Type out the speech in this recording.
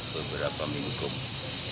beberapa minggu kemudian